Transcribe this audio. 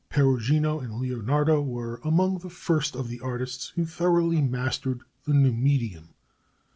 Perugino and Leonardo were among the first of the artists who thoroughly mastered the new medium.